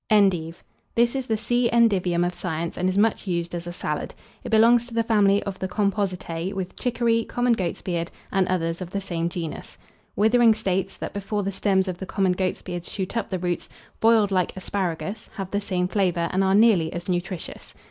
ENDIVE. This is the C. endivium of science, and is much used as a salad. It belongs to the family of the Compositae, with Chicory, common Goats beard, and others of the same genus. Withering states, that before the stems of the common Goats beard shoot up the roots, boiled like asparagus, have the same flavour, and are nearly as nutritious.